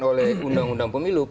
oleh undang undang pemilu